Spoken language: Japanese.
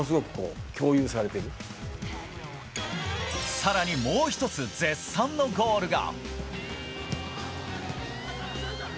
更に、もう１つ絶賛のゴールが。